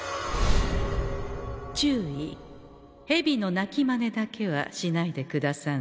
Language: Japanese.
注意ヘビの鳴きマネだけはしないでくださんせ。